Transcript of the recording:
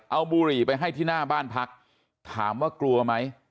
เอาบุหรี่ไปให้ที่หน้าบ้านพักถามว่ากลัวไหม